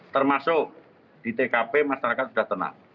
termasuk di tkp masyarakat sudah tenang